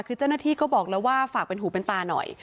คือเจ้าหน้าที่ก็บอกแล้วว่าฝากเป็นหูเป็นตาหน่อย